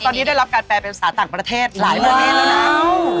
ตอนนี้ได้รับการแปลเป็นภาษาต่างประเทศหลายประเทศแล้วนะ